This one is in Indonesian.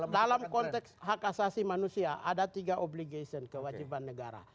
dalam konteks hak asasi manusia ada tiga obligation kewajiban negara